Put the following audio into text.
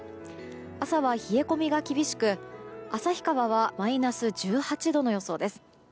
朝は冷え込みが厳しく、旭川はマイナス１８度の予想です。